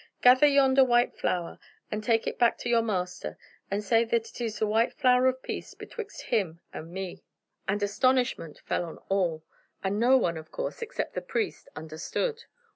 "Gather yonder white flower and take it back to your master, and say that it is the white flower of peace betwixt him and me." And astonishment fell on all, and no one, of course, except the priest, understood.